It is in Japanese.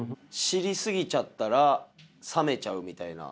知り過ぎちゃったら冷めちゃうみたいな。